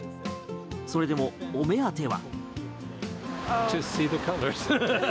それでも御目当ては。